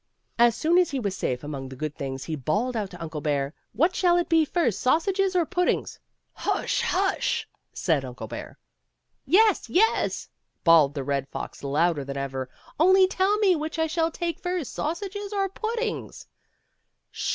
As soon as he was safe among the good things he bawled out to Uncle Bear," What shall it be first, sausages or puddings?" "JHush! hush!" said Uncle Bear. " Yes, yes," bawled the Red Fox louder than ever, " only tell me which I shall take first, sausages or puddings